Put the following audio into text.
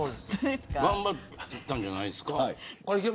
頑張ったんじゃないですか。